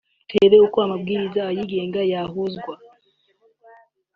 turebe uko amabwiriza ayigenga yahuzwa